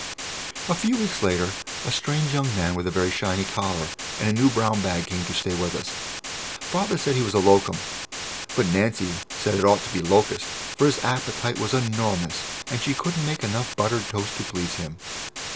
A few weeks later a strange young man with a very shiny collar and a new brown bag came to stay with us. Father said he was a "locum," but Nancy said it ought to be "locust," for his appetite was enormous, and she couldn't make enough buttered toast to please him.